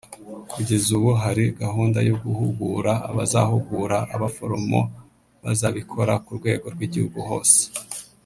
Kugeza ubu hari gahunda yo guhugura abazahugura abaforomo bazabikora ku rwego rw’igihugu hose